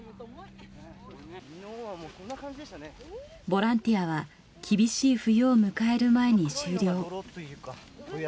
ボランティアは厳しい冬を迎える前に終了。